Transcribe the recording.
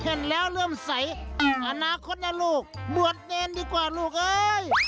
เห็นแล้วเริ่มใสอนาคตนะลูกบวชเนรดีกว่าลูกเอ้ย